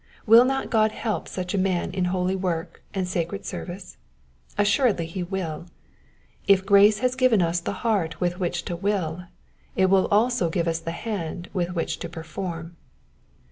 Will not God help such a man in holy work and sacred service ? Assuredly he will. If grace has given us the heart with which to will, it will also give us the hand with which to perform.